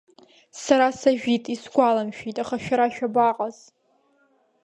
Сара сажәит, исгәаламшәеит аха, шәара шәабаҟаз?